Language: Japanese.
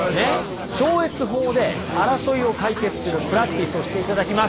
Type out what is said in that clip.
超越法で争いを解決するプラクティスをしていただきます。